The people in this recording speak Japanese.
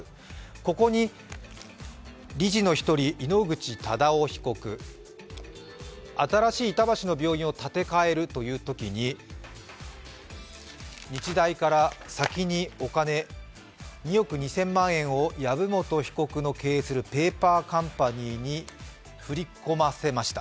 ここに理事の１人、井ノ口忠男被告新しい板橋の病院を建て替えるというときに日大から先にお金、２億２０００万円を籔本被告の経営するペーパーカンパニーに振り込ませました。